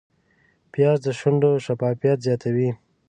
پیاز د شونډو شفافیت زیاتوي